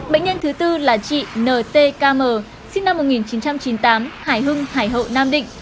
bệnh nhân thứ bốn là chị n t k m sinh năm một nghìn chín trăm chín mươi tám hải hưng hải hậu nam định